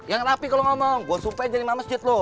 yang rapi kalau ngomong gue sumpah jadi mama masjid lo